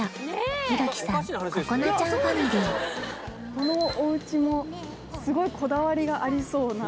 このおうちもすごいこだわりがありそうな。